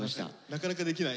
なかなかできない。